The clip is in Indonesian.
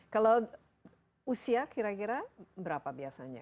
kalau usia kira kira berapa biasanya